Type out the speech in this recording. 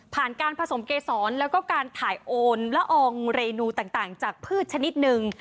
ผ่านการผสมเกษรแล้วก็การถ่ายโอนละอองเรนูต่างจากพืชชนิดหนึ่ง